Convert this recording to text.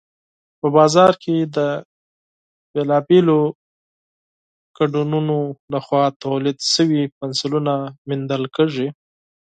په بازار کې د مختلفو شرکتونو لخوا تولید شوي پنسلونه موندل کېږي.